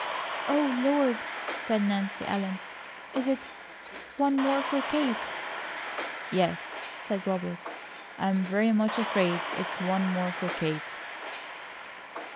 "Oh, Lord!" said Nancy Ellen. "Is it one more for Kate?" "Yes," said Robert, "I am very much afraid it's 'one more for Kate.'"